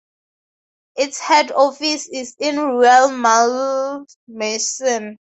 Its head office is in Rueil-Malmaison.